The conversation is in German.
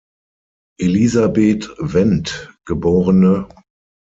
Elisabeth Wendt geb.